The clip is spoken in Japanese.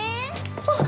あっ！